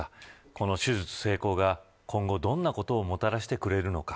この手術成功が今後、どんなことをもたらしてくれるのか。